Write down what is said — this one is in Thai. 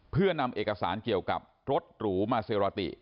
เพื่อนำเอกสารเกี่ยวกับรถหรูมาเซราติ